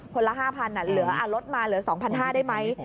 คนละ๕๐๐๐บาทอาลดมาเหลือ๒๕๐๐บาทได้ไหม